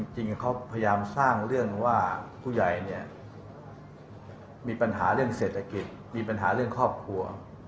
จริงเขาพยายามสร้างเรื่องว่าผู้ใหญ่เนี่ยมีปัญหาเรื่องเศรษฐกิจมีปัญหาเรื่องครอบครัว